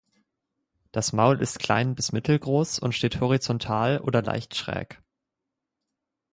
Das Maul ist klein bis mittelgroß und steht horizontal oder leicht schräg.